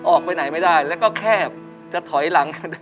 ออกไปไหนไม่ได้แล้วก็แคบจะถอยหลัง